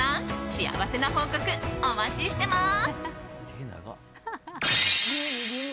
幸せな報告お待ちしています。